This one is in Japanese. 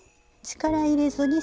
力入れずに。